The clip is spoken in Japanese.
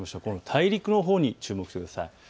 大陸のほうに注目してください。